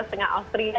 di setengah austria